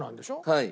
はい。